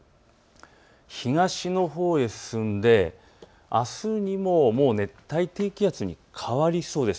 東のほうへ進んであすにも熱帯低気圧に変わりそうです。